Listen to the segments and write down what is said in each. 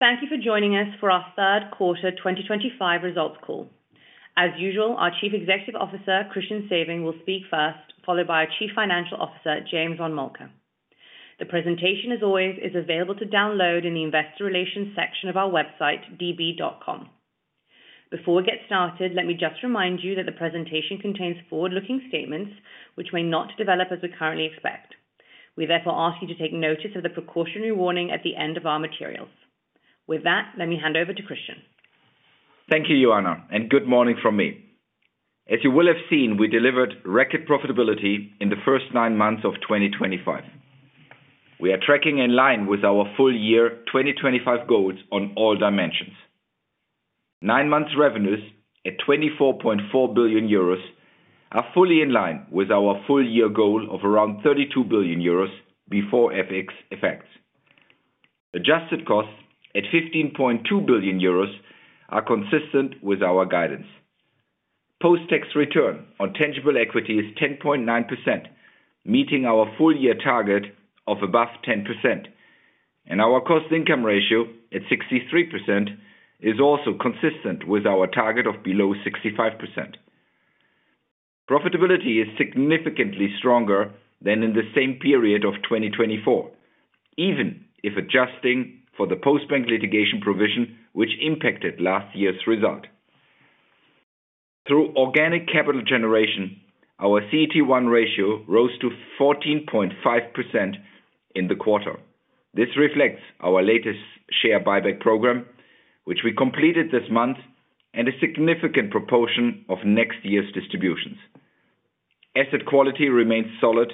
Thank you for joining us for our third quarter 2025 results call. As usual, our Chief Executive Officer, Christian Sewing, will speak first, followed by our Chief Financial Officer, James von Moltke. The presentation, as always, is available to download in the Investor Relations section of our website, db.com. Before we get started, let me just remind you that the presentation contains forward-looking statements which may not develop as we currently expect. We therefore ask you to take notice of the precautionary warning at the end of our materials. With that, let me hand over to Christian. Thank you, Yuana, and good morning from me. As you will have seen, we delivered record profitability in the first nine months of 2025. We are tracking in line with our full-year 2025 goals on all dimensions. Nine-month revenues at 24.4 billion euros are fully in line with our full-year goal of around 32 billion euros before FX effects. Adjusted costs at 15.2 billion euros are consistent with our guidance. Post-tax return on tangible equity is 10.9%, meeting our full-year target of above 10%, and our cost-income ratio at 63% is also consistent with our target of below 65%. Profitability is significantly stronger than in the same period of 2024, even if adjusting for the Postbank litigation provision, which impacted last year's result. Through organic capital generation, our CET1 ratio rose to 14.5% in the quarter. This reflects our latest share buyback program, which we completed this month, and a significant proportion of next year's distributions. Asset quality remains solid,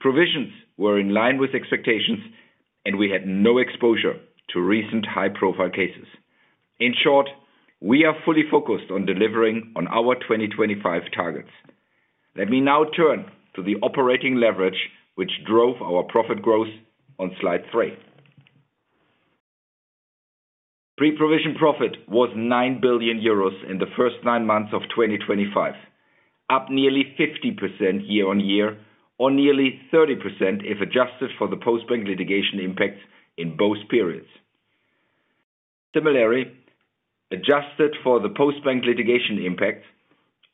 provisions were in line with expectations, and we had no exposure to recent high-profile cases. In short, we are fully focused on delivering on our 2025 targets. Let me now turn to the operating leverage, which drove our profit growth on slide three. Pre-provision profit was 9 billion euros in the first nine months of 2025, up nearly 50% year-on-year, or nearly 30% if adjusted for the Postbank litigation impact in both periods. Similarly, adjusted for the Postbank litigation impact,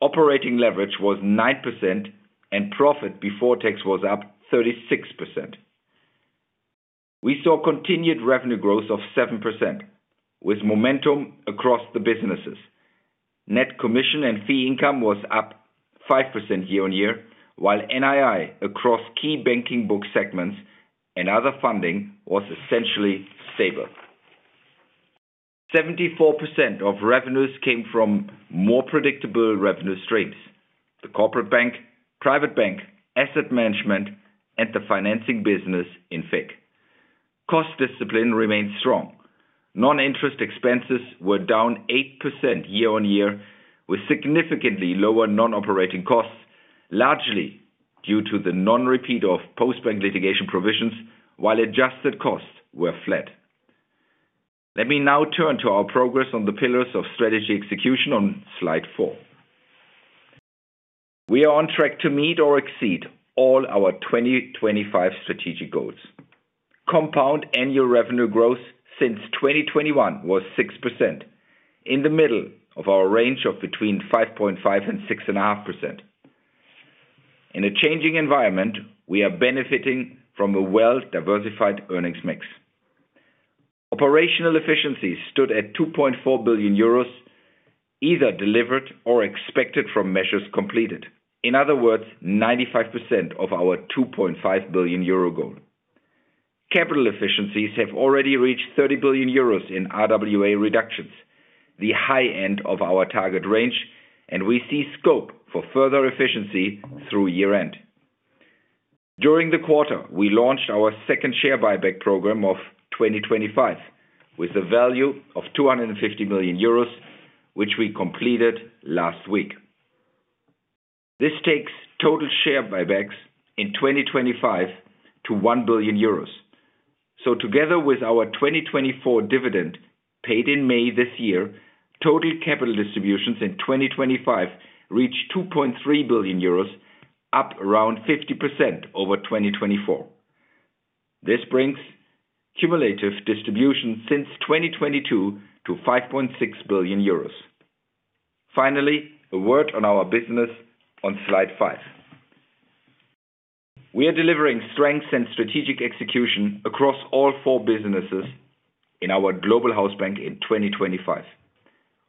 operating leverage was 9%, and profit before tax was up 36%. We saw continued revenue growth of 7%, with momentum across the businesses. Net commission and fee income was up 5% year-on-year, while NII across key banking book segments and other funding was essentially stable. 74% of revenues came from more predictable revenue streams: the corporate bank, private bank, asset management, and the financing business in FIC. Cost discipline remained strong. Non-interest expenses were down 8% year-on-year, with significantly lower non-operating costs, largely due to the non-repeat of Postbank litigation provisions, while adjusted costs were flat. Let me now turn to our progress on the pillars of strategy execution on slide four. We are on track to meet or exceed all our 2025 strategic goals. Compound annual revenue growth since 2021 was 6%, in the middle of our range of between 5.5% and 6.5%. In a changing environment, we are benefiting from a well-diversified earnings mix. Operational efficiency stood at 2.4 billion euros, either delivered or expected from measures completed. In other words, 95% of our 2.5 billion euro goal. Capital efficiencies have already reached 30 billion euros in RWA reductions, the high end of our target range, and we see scope for further efficiency through year-end. During the quarter, we launched our second share buyback program of 2025, with a value of 250 million euros, which we completed last week. This takes total share buybacks in 2025 to 1 billion euros. So together with our 2024 dividend paid in May this year, total capital distributions in 2025 reached 2.3 billion euros, up around 50% over 2024. This brings cumulative distributions since 2022 to 5.6 billion euros. Finally, a word on our business on slide five. We are delivering strengths and strategic execution across all four businesses in our Global Hausbank in 2025.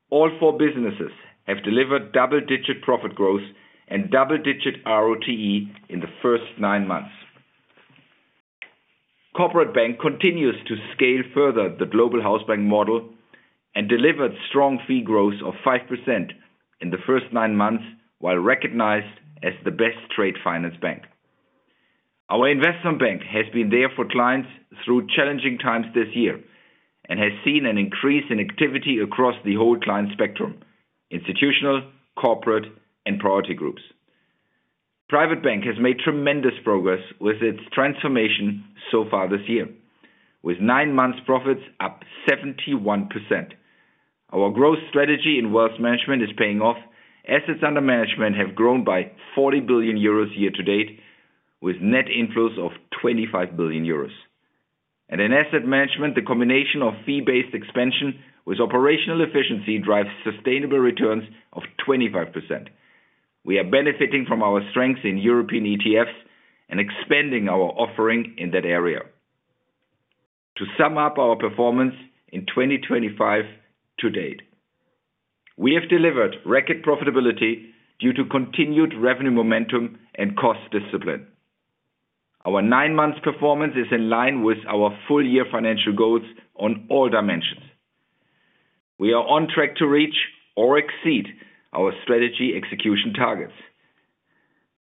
All four businesses have delivered double-digit profit growth and double-digit ROTE in the first nine months. Corporate Bank continues to scale further the Global Housebank model and delivered strong fee growth of 5% in the first nine months while recognized as the best trade finance bank. Our investment bank has been there for clients through challenging times this year and has seen an increase in activity across the whole client spectrum: institutional, corporate, and priority groups. Private Bank has made tremendous progress with its transformation so far this year, with nine month's profits up 71%. Our growth strategy in wealth management is paying off. Assets under management have grown by 40 billion euros year-to-date, with net inflows of 25 billion euros, and in asset management, the combination of fee-based expansion with operational efficiency drives sustainable returns of 25%. We are benefiting from our strengths in European ETFs and expanding our offering in that area. To sum up our performance in 2025 to date, we have delivered record profitability due to continued revenue momentum and cost discipline. Our nine-month performance is in line with our full-year financial goals on all dimensions. We are on track to reach or exceed our strategy execution targets.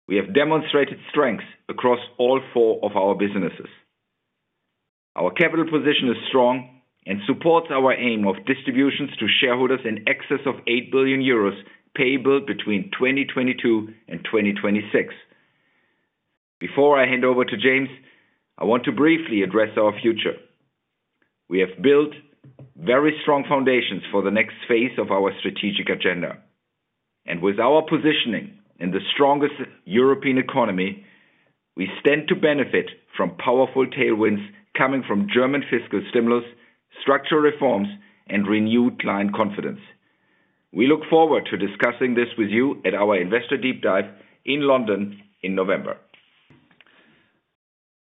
We have demonstrated strengths across all four of our businesses. Our capital position is strong and supports our aim of distributions to shareholders in excess of 8 billion euros payable between 2022 and 2026. Before I hand over to James, I want to briefly address our future. We have built very strong foundations for the next phase of our strategic agenda, and with our positioning in the strongest European economy, we stand to benefit from powerful tailwinds coming from German fiscal stimulus, structural reforms, and renewed client confidence. We look forward to discussing this with you at our investor deep dive in London in November.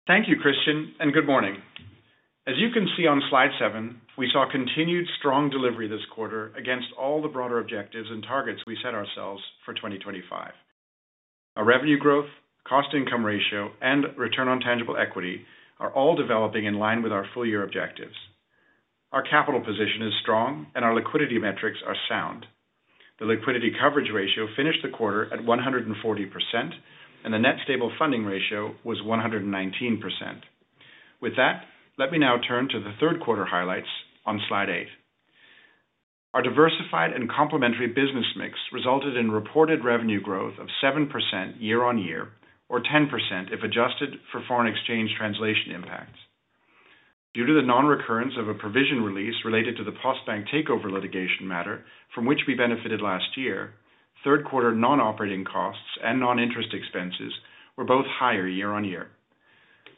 Thank you, Christian, and good morning. As you can see on slide seven, we saw continued strong delivery this quarter against all the broader objectives and targets we set ourselves for 2025. Our revenue growth, cost-income ratio, and return on tangible equity are all developing in line with our full-year objectives. Our capital position is strong, and our liquidity metrics are sound. The liquidity coverage ratio finished the quarter at 140%, and the net stable funding ratio was 119%. With that, let me now turn to the third quarter highlights on slide eight. Our diversified and complementary business mix resulted in reported revenue growth of 7% year-on-year, or 10% if adjusted for foreign exchange translation impacts. Due to the non-recurrence of a provision release related to the Postbank takeover litigation matter from which we benefited last year, third-quarter non-operating costs and non-interest expenses were both higher year-on-year.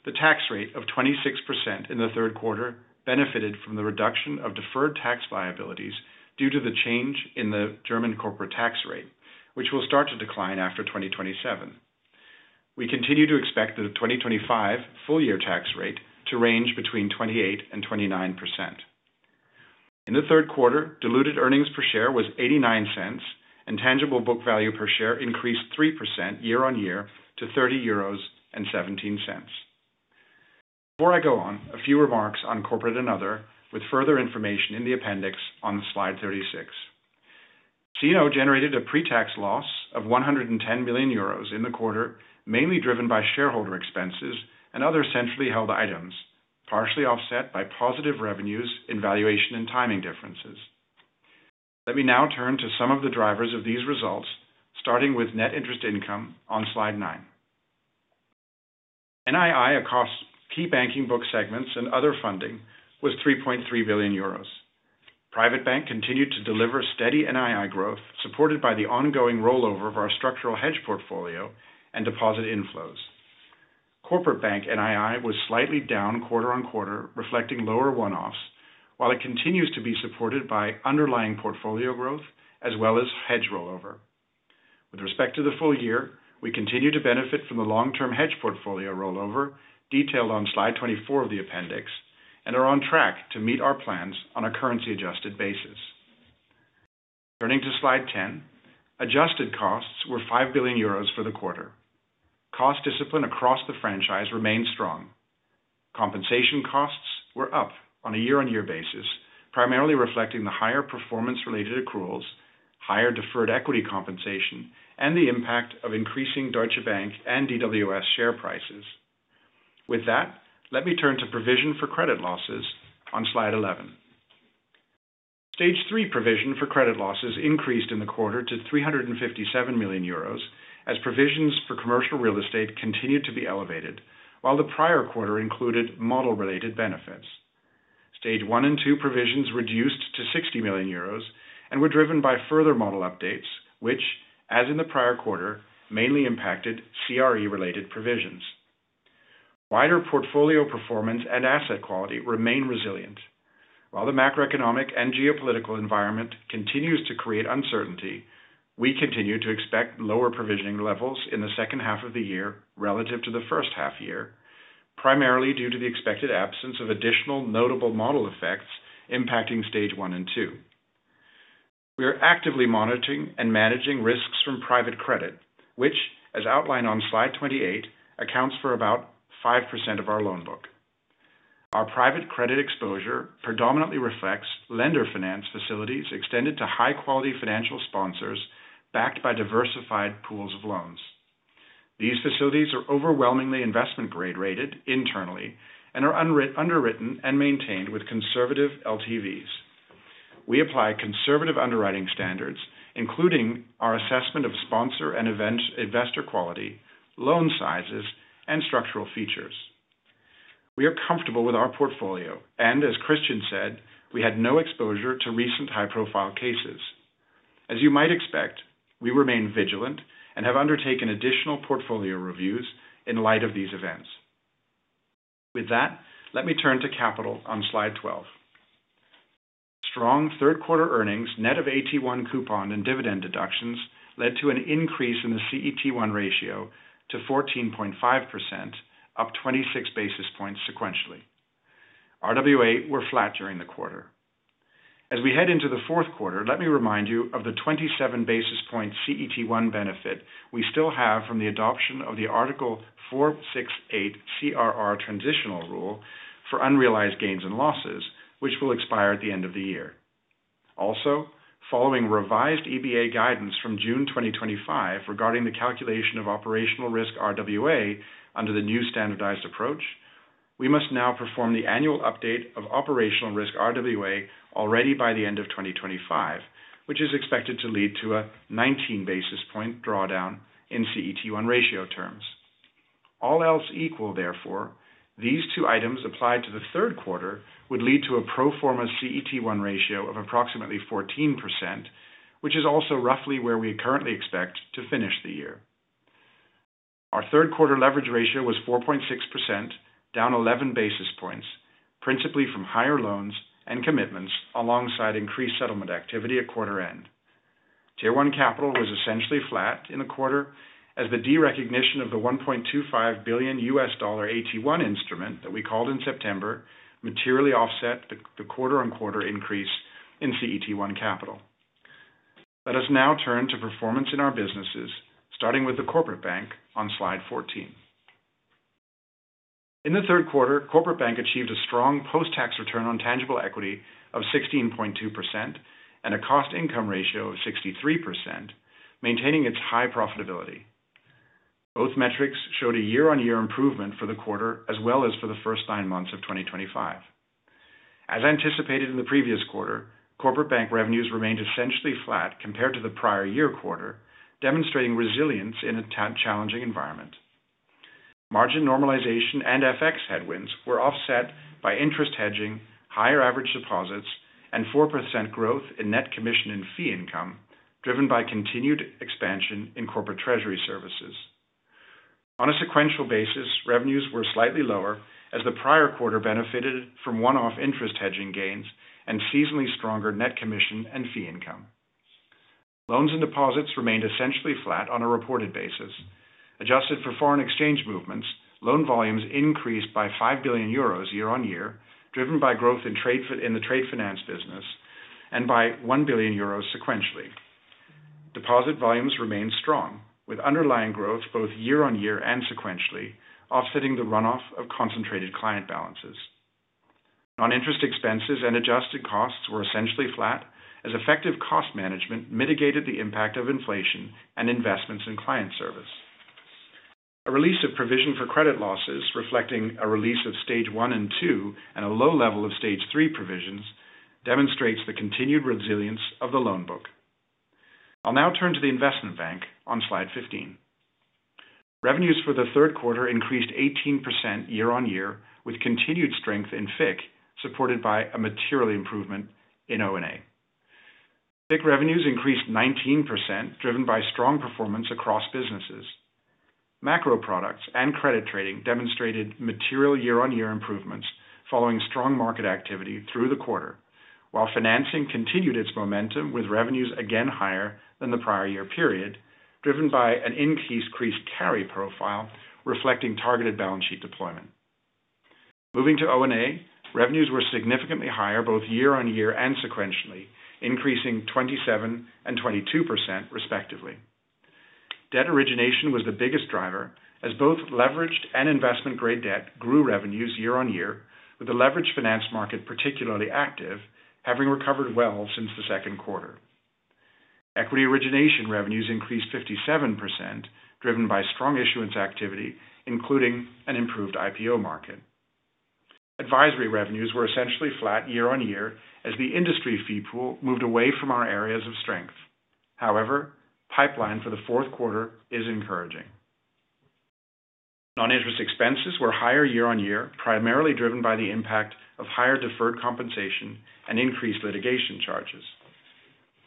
The tax rate of 26% in the third quarter benefited from the reduction of deferred tax liabilities due to the change in the German corporate tax rate, which will start to decline after 2027. We continue to expect the 2025 full-year tax rate to range between 28% and 29%. In the third quarter, diluted earnings per share was 0.89, and tangible book value per share increased 3% year-on-year to 30.17 euros. Before I go on, a few remarks on corporate and other, with further information in the appendix on slide 36. CNO generated a pre-tax loss of 110 million euros in the quarter, mainly driven by shareholder expenses and other centrally held items, partially offset by positive revenues in valuation and timing differences. Let me now turn to some of the drivers of these results, starting with net interest income on slide nine. NII across key banking book segments and other funding was 3.3 billion euros. Private Bank continued to deliver steady NII growth, supported by the ongoing rollover of our structural hedge portfolio and deposit inflows. Corporate Bank NII was slightly down quarter-on-quarter, reflecting lower one-offs, while it continues to be supported by underlying portfolio growth as well as hedge rollover. With respect to the full year, we continue to benefit from the long-term hedge portfolio rollover, detailed on slide 24 of the appendix, and are on track to meet our plans on a currency-adjusted basis. Turning to slide 10, adjusted costs were 5 billion euros for the quarter. Cost discipline across the franchise remained strong. Compensation costs were up on a year-on-year basis, primarily reflecting the higher performance-related accruals, higher deferred equity compensation, and the impact of increasing Deutsche Bank and DWS share prices. With that, let me turn to provision for credit losses on slide 11. Stage three provision for credit losses increased in the quarter to 357 million euros as provisions for commercial real estate continued to be elevated, while the prior quarter included model-related benefits. Stage one and two provisions reduced to 60 million euros and were driven by further model updates, which, as in the prior quarter, mainly impacted CRE-related provisions. Wider portfolio performance and asset quality remain resilient. While the macroeconomic and geopolitical environment continues to create uncertainty, we continue to expect lower provisioning levels in the second half of the year relative to the first half year, primarily due to the expected absence of additional notable model effects impacting stage one and two. We are actively monitoring and managing risks from private credit, which, as outlined on slide 28, accounts for about 5% of our loan book. Our private credit exposure predominantly reflects lender-finance facilities extended to high-quality financial sponsors backed by diversified pools of loans. These facilities are overwhelmingly investment-grade rated internally and are underwritten and maintained with conservative LTVs. We apply conservative underwriting standards, including our assessment of sponsor and investor quality, loan sizes, and structural features. We are comfortable with our portfolio, and as Christian said, we had no exposure to recent high-profile cases. As you might expect, we remain vigilant and have undertaken additional portfolio reviews in light of these events. With that, let me turn to capital on slide 12. Strong third-quarter earnings net of AT1 coupon and dividend deductions led to an increase in the CET1 ratio to 14.5%, up 26 basis points sequentially. RWA were flat during the quarter. As we head into the fourth quarter, let me remind you of the 27 basis point CET1 benefit we still have from the adoption of the Article 468 CRR transitional rule for unrealized gains and losses, which will expire at the end of the year. Also, following revised EBA guidance from June 2025 regarding the calculation of operational risk RWA under the new standardized approach, we must now perform the annual update of operational risk RWA already by the end of 2025, which is expected to lead to a 19 basis point drawdown in CET1 ratio terms. All else equal, therefore, these two items applied to the third quarter would lead to a pro forma CET1 ratio of approximately 14%, which is also roughly where we currently expect to finish the year. Our third-quarter leverage ratio was 4.6%, down 11 basis points, principally from higher loans and commitments alongside increased settlement activity at quarter end. Tier 1 capital was essentially flat in the quarter as the derecognition of the $1.25 billion US dollar AT1 instrument that we called in September materially offset the quarter-on-quarter increase in CET1 capital. Let us now turn to performance in our businesses, starting with the corporate bank on slide 14. In the third quarter, corporate bank achieved a strong post-tax return on tangible equity of 16.2% and a cost-income ratio of 63%, maintaining its high profitability. Both metrics showed a year-on-year improvement for the quarter as well as for the first nine months of 2025. As anticipated in the previous quarter, corporate bank revenues remained essentially flat compared to the prior year quarter, demonstrating resilience in a challenging environment. Margin normalization and FX headwinds were offset by interest hedging, higher average deposits, and 4% growth in net commission and fee income driven by continued expansion in corporate treasury services. On a sequential basis, revenues were slightly lower as the prior quarter benefited from one-off interest hedging gains and seasonally stronger net commission and fee income. Loans and deposits remained essentially flat on a reported basis. Adjusted for foreign exchange movements, loan volumes increased by 5 billion euros year-on-year, driven by growth in the trade finance business and by 1 billion euros sequentially. Deposit volumes remained strong, with underlying growth both year-on-year and sequentially offsetting the runoff of concentrated client balances. Non-interest expenses and adjusted costs were essentially flat as effective cost management mitigated the impact of inflation and investments in client service. A release of provision for credit losses, reflecting a release of stage one and two and a low level of stage three provisions, demonstrates the continued resilience of the loan book. I'll now turn to the investment bank on slide 15. Revenues for the third quarter increased 18% year-on-year, with continued strength in FIC, supported by a material improvement in ONA. FIC revenues increased 19%, driven by strong performance across businesses. Macro products and credit trading demonstrated material year-on-year improvements following strong market activity through the quarter, while financing continued its momentum with revenues again higher than the prior year period, driven by an increased carry profile reflecting targeted balance sheet deployment. Moving to ONA, revenues were significantly higher both year-on-year and sequentially, increasing 27% and 22% respectively. Debt origination was the biggest driver as both leveraged and investment-grade debt grew revenues year-on-year, with the leveraged finance market particularly active, having recovered well since the second quarter. Equity origination revenues increased 57%, driven by strong issuance activity, including an improved IPO market. Advisory revenues were essentially flat year-on-year as the industry fee pool moved away from our areas of strength. However, pipeline for the Fourth quarter is encouraging. Non-interest expenses were higher year-on-year, primarily driven by the impact of higher deferred compensation and increased litigation charges.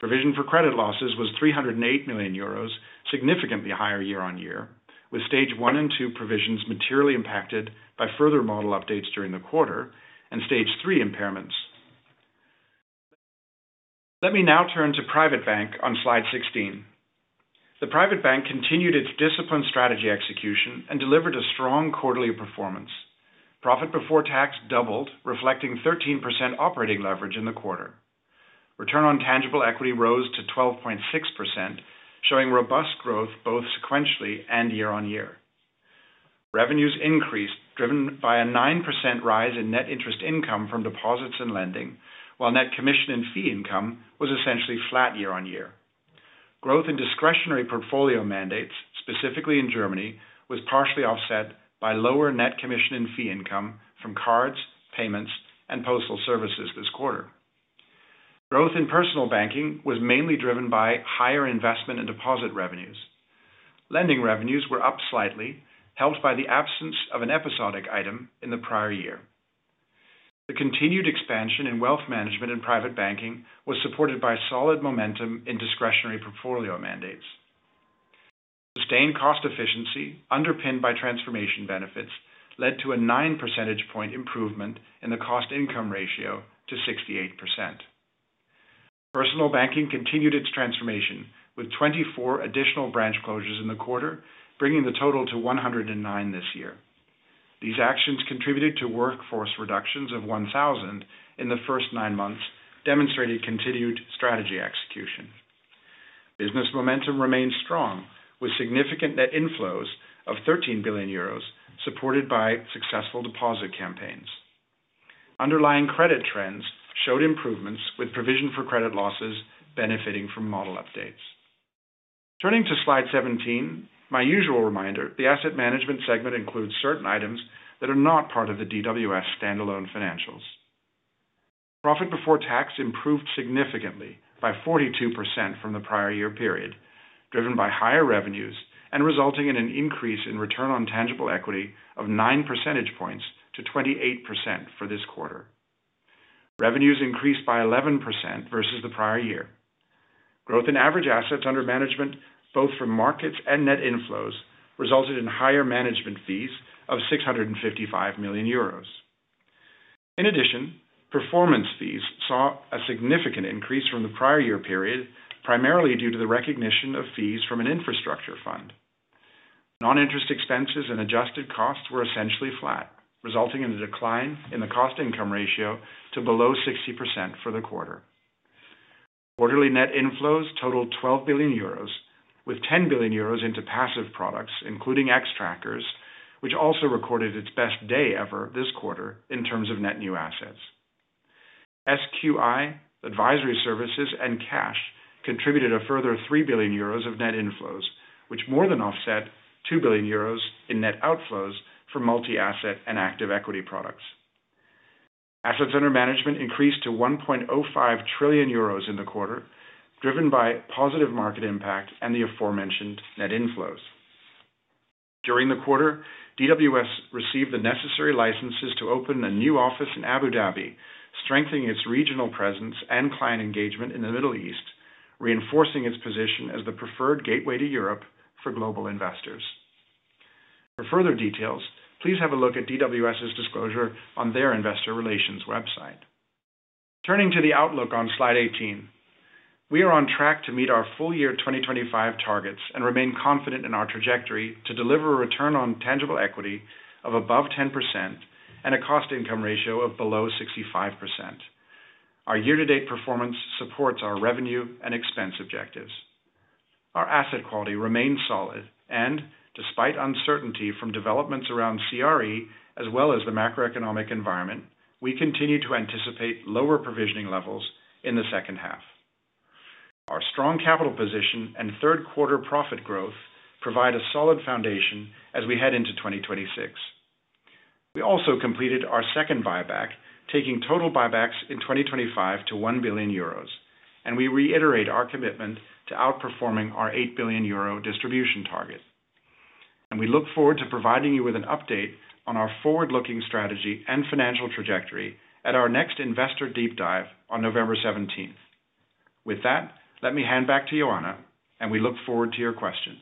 Provision for credit losses was 308 million euros, significantly higher year-on-year, with stage one and two provisions materially impacted by further model updates during the quarter and stage three impairments. Let me now turn to Private Bank on slide 16. The Private Bank continued its disciplined strategy execution and delivered a strong quarterly performance. Profit before tax doubled, reflecting 13% operating leverage in the quarter. Return on tangible equity rose to 12.6%, showing robust growth both sequentially and year-on-year. Revenues increased, driven by a 9% rise in net interest income from deposits and lending, while net commission and fee income was essentially flat year-on-year. Growth in discretionary portfolio mandates, specifically in Germany, was partially offset by lower net commission and fee income from cards, payments, and postal services this quarter. Growth in personal banking was mainly driven by higher investment and deposit revenues. Lending revenues were up slightly, helped by the absence of an episodic item in the prior year. The continued expansion in wealth management and private banking was supported by solid momentum in discretionary portfolio mandates. Sustained cost efficiency, underpinned by transformation benefits, led to a 9 percentage point improvement in the cost-income ratio to 68%. Personal banking continued its transformation with 24 additional branch closures in the quarter, bringing the total to 109 this year. These actions contributed to workforce reductions of 1,000 in the first nine months, demonstrating continued strategy execution. Business momentum remained strong, with significant net inflows of 13 billion euros, supported by successful deposit campaigns. Underlying credit trends showed improvements, with provision for credit losses benefiting from model updates. Turning to slide 17, my usual reminder, the asset management segment includes certain items that are not part of the DWS standalone financials. Profit before tax improved significantly by 42% from the prior year period, driven by higher revenues and resulting in an increase in return on tangible equity of 9 percentage points to 28% for this quarter. Revenues increased by 11% versus the prior year. Growth in average assets under management, both from markets and net inflows, resulted in higher management fees of 655 million euros. In addition, performance fees saw a significant increase from the prior year period, primarily due to the recognition of fees from an infrastructure fund. Non-interest expenses and adjusted costs were essentially flat, resulting in a decline in the cost-income ratio to below 60% for the quarter. Quarterly net inflows totaled 12 billion euros, with 10 billion euros into passive products, including Xtrackers, which also recorded its best day ever this quarter in terms of net new assets. SQI, advisory services, and cash contributed a further 3 billion euros of net inflows, which more than offset 2 billion euros in net outflows for multi-asset and active equity products. Assets under management increased to 1.05 trillion euros in the quarter, driven by positive market impact and the aforementioned net inflows. During the quarter, DWS received the necessary licenses to open a new office in Abu Dhabi, strengthening its regional presence and client engagement in the Middle East, reinforcing its position as the preferred gateway to Europe for global investors. For further details, please have a look at DWS's disclosure on their investor relations website. Turning to the outlook on slide 18, we are on track to meet our full year 2025 targets and remain confident in our trajectory to deliver a return on tangible equity of above 10% and a cost-income ratio of below 65%. Our year-to-date performance supports our revenue and expense objectives. Our asset quality remains solid, and despite uncertainty from developments around CRE as well as the macroeconomic environment, we continue to anticipate lower provisioning levels in the second half. Our strong capital position and third-quarter profit growth provide a solid foundation as we head into 2026. We also completed our second buyback, taking total buybacks in 2025 to 1 billion euros, and we reiterate our commitment to outperforming our 8 billion euro distribution target, and we look forward to providing you with an update on our forward-looking strategy and financial trajectory at our next investor deep dive on November 17. With that, let me hand back to Yuana, and we look forward to your questions.